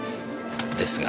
ですが。